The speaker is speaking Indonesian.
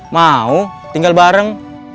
mau tinggal bareng